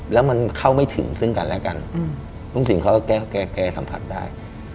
แล้วมันเข้าไม่ถึงซึ่งกันและกันลุงสินเขาก็แก้สัมผัสได้